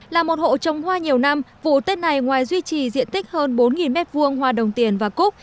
là một hộ trồng hoa nhiều năm vụ tết này ngoài duy trì diện tích hơn bốn m hai hoa đồng tiền và cúc